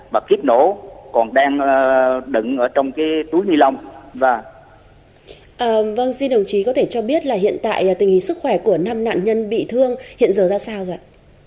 vâng xin đồng chí có thể cho biết là hiện tại tình hình sức khỏe của năm nạn nhân bị thương hiện giờ ra sao rồi